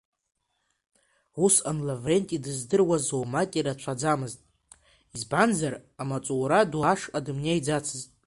Усҟан Лавренти дыздыруаз оумак ирацәаӡамызт, избанзар, амаҵура ду ашҟа дымнеиӡацызт.